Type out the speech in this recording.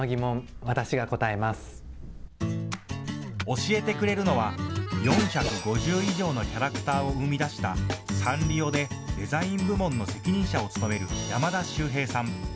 教えてくれるのは４５０以上のキャラクターを生み出したサンリオでデザイン部門の責任者を務める山田周平さん。